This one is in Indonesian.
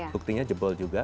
duktinya jebol juga